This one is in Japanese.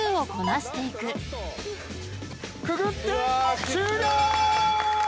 くぐって終了！